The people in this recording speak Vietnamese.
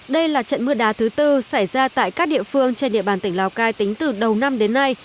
đây là trận mưa đá thứ tư xảy ra tại các địa phương trên địa bàn tỉnh lào cai tính từ đầu năm đến nay